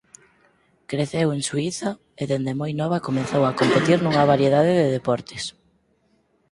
Creceu en Suíza e dende moi nova comezou a competir nunha variedade de deportes.